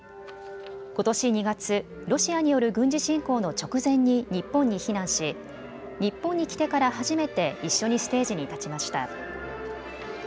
ことし２月、ロシアによる軍事侵攻の直前に日本に避難し日本に来てから初めて一緒にステージに立ちました。